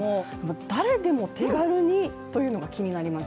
誰でも手軽にっていうのが気になります。